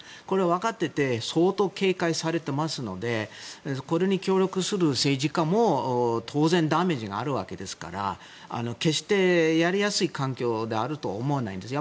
分かってて相当警戒されてますのでこれに協力する政治家も当然ダメージがあるわけですから決してやりやすい環境であるとは思わないです。